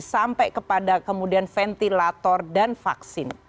sampai kepada kemudian ventilator dan vaksin